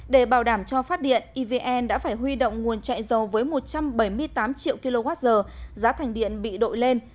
để bảo đảm cho phát điện evn đã phải huy động nguồn chạy dầu với một trăm bảy mươi tám triệu kwh giá thành điện bị đội lên